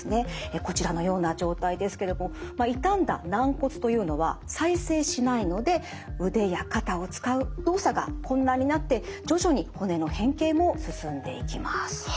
こちらのような状態ですけども傷んだ軟骨というのは再生しないので腕や肩を使う動作が困難になって徐々に骨の変形も進んでいきます。